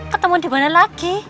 ketemu di mana lagi